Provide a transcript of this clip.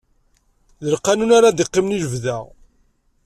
D lqanun ara d-iqqimen i lebda